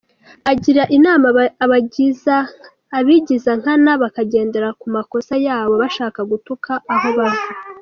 Agira inama abigiza nkana bakagendera ku makosa yabo bashaka gutuka aho bava.